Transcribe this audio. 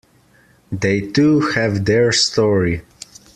They too have their story.